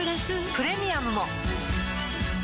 プレミアムも